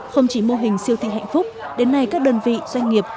không chỉ mô hình siêu thị hạnh phúc đến nay các đơn vị doanh nghiệp